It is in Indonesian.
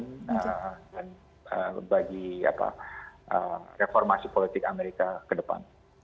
dan bagi reformasi politik amerika ke depan